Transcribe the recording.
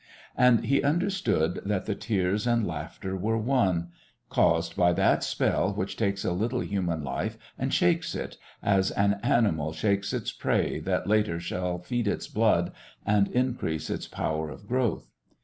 And he understood that the tears and laughter were one caused by that spell which takes a little human life and shakes it, as an animal shakes its prey that later shall feed its blood and increase its power of growth.